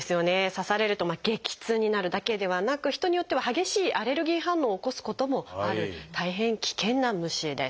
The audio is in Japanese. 刺されると激痛になるだけではなく人によっては激しいアレルギー反応を起こすこともある大変危険な虫です。